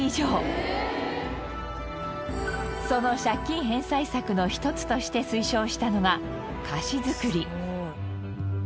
その借金返済策の一つとして推奨したのが菓子作り。